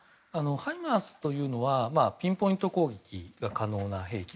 ハイマースというのはピンポイント攻撃が可能な兵器。